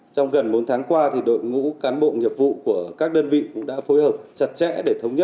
trong gần bốn tháng qua đội ngũ cán bộ nghiệp vụ của các đơn vị cũng đã phối hợp chặt chẽ để thống nhất